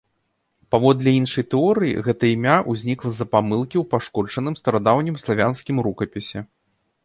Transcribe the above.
Паводле іншай тэорыі, гэта імя ўзнікла з-за памылкі ў пашкоджаным старадаўнім славянскім рукапісе.